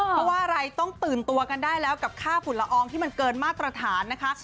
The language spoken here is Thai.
เพราะว่าอะไรต้องตื่นตัวกันได้แล้วกับค่าฝุ่นละอองที่มันเกินมาตรฐานนะคะ